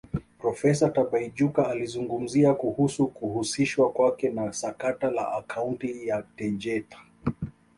Profesa Tibaijuka alizungumzia kuhusu kuhusishwa kwake na sakata la Akaunti ya Tegeta